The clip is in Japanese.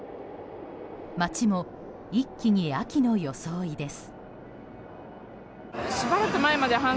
街も一気に秋の装いです。